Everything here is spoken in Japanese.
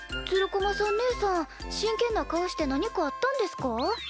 つる駒さん姉さん真けんな顔して何かあったんですか？